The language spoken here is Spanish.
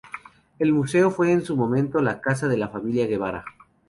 El museo fue en su momento la casa de la familia Guevara.